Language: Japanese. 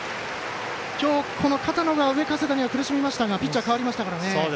今日、この片野が上加世田に苦しみましたがピッチャー、代わりましたから。